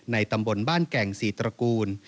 ตำบลบ้านแก่งศรีตระกูล